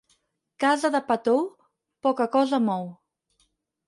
Casa de pa tou, poca cosa mou.